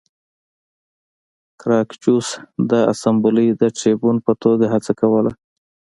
ګراکچوس د اسامبلې د ټربیون په توګه هڅه کوله